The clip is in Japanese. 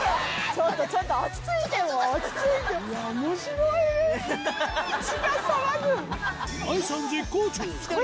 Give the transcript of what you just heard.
ちょっと、ちょっと、落ち着いてよ、落ち着いて。